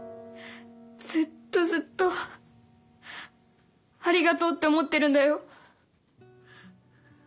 ずっとずっとありがとうって思ってるんだよ。